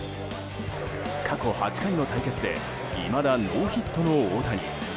過去８回の対決でいまだノーヒットの大谷。